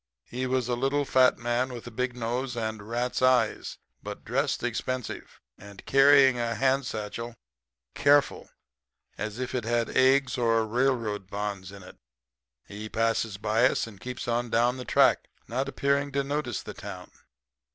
He was a little, fat man with a big nose and rat's eyes, but dressed expensive, and carrying a hand satchel careful, as if it had eggs or railroads bonds in it. He passes by us and keeps on down the track, not appearing to notice the town.